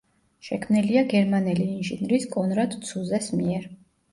შექმნილია გერმანელი ინჟინრის კონრად ცუზეს მიერ.